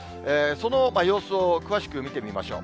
その様子を詳しく見てみましょう。